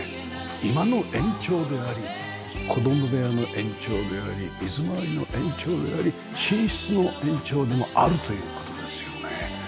居間の延長であり子供部屋の延長であり水回りの延長であり寝室の延長でもあるという事ですよね。